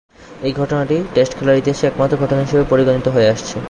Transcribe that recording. এ ঘটনাটি টেস্ট খেলার ইতিহাসে একমাত্র ঘটনা হিসেবে পরিগণিত হয়ে আসছে।